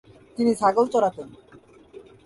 তিনি ছাগল চরাতেন।